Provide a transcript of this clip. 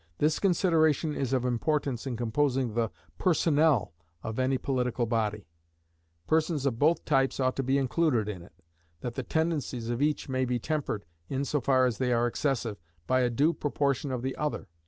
This consideration is of importance in composing the personnel of any political body: persons of both types ought to be included in it, that the tendencies of each may be tempered, in so far as they are excessive, by a due proportion of the other.